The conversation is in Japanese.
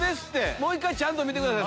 もう１回ちゃんと見てください